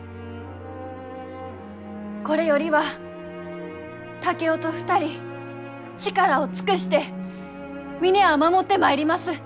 これよりは竹雄と２人力を尽くして峰屋を守ってまいります。